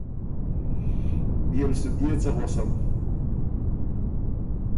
بيې ل سُو بيې څۀ غؤسم؟